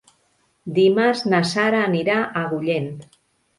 Dimarts na Sara anirà a Agullent.